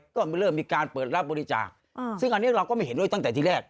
ก็เริ่มมีการเปิดรับบริจาคซึ่งอันนี้เราก็ไม่เห็นด้วยตั้งแต่ที่แรก